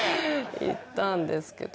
行ったんですけど。